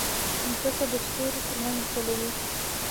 مځکه د ستورو ترمنځ ځلوي.